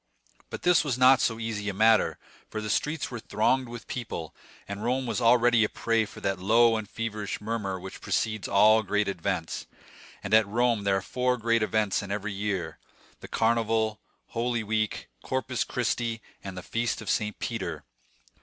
But this was not so easy a matter, for the streets were thronged with people, and Rome was already a prey to that low and feverish murmur which precedes all great events; and at Rome there are four great events in every year,—the Carnival, Holy Week, Corpus Christi, and the Feast of St. Peter.